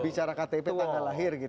bicara ktp tanggal lahir